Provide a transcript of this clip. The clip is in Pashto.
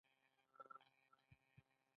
لومړی دا چې خصوصي مالکیت یې بنسټ نه دی.